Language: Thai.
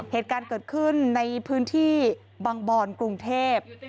เหตุการณ์เกิดขึ้นในพื้นที่บางบอนกรุงเทพ